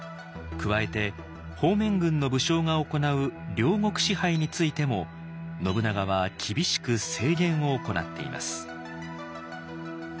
加えて方面軍の武将が行う領国支配についても信長は厳しく制限を行っています。